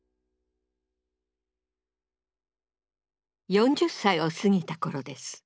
４０歳を過ぎた頃です。